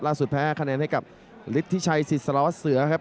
ล่าสุดแพ้คะแนนให้กับฤทธิชัยศิษย์สารวัสเซอร์ครับ